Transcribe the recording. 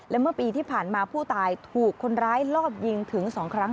และเมื่อปีที่ผ่านมาผู้ตายถูกคนร้ายลอบยิงถึง๒ครั้ง